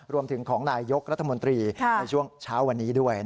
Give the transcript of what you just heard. รวมถึงของนายยกรัฐมนตรีในช่วงเช้าวันนี้ด้วยนะครับ